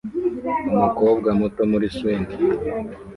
Umukobwa muto muri swingi